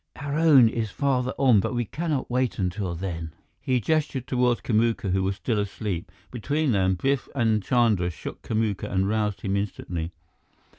"Our own is farther on, but we cannot wait until then." He gestured toward Kamuka, who was still asleep. Between them, Biff and Chandra shook Kamuka and roused him instantly.